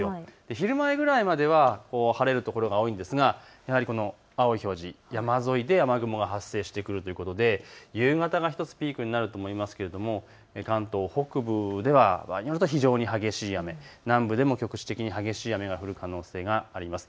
昼前くらいまでは晴れる所が多いんですが青い表示、山沿いで雨雲が発生してくるということで夕方が１つピークになると思いますけれども関東北部では場合によっては非常に激しい雨、南部でも局地的に激しい雨が降る可能性があります。